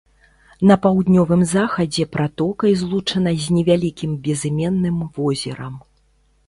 На паўднёвым захадзе пратокай злучана з невялікім безыменным возерам.